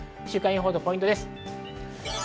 週間予報とポイントです。